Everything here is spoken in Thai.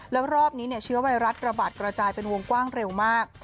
แล้วรอบนี้เชื้อไวรัสระบาดกระจายเป็นวงกว้างเร็วมาก